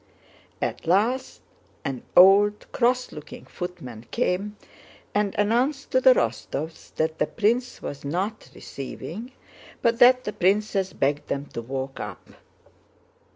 At last an old, cross looking footman came and announced to the Rostóvs that the prince was not receiving, but that the princess begged them to walk up.